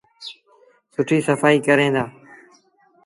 سُٺيٚ سڦآئيٚ ڪرين دآ۔